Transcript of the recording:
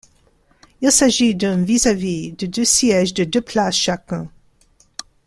Il s'agit d'un vis-à-vis de deux sièges de deux places chacun.